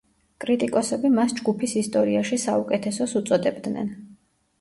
კრიტიკოსები მას ჯგუფის ისტორიაში საუკეთესოს უწოდებდნენ.